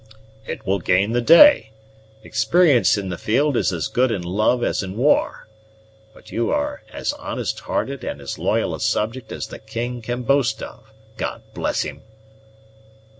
"It will gain the day. Experience in the field is as good in love as in war. But you are as honest hearted and as loyal a subject as the king can boast of God bless him!"